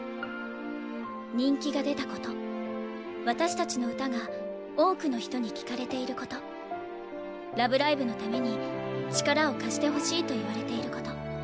人気が出た事私たちの歌が多くの人に聴かれている事ラブライブのために力を貸してほしいと言われている事。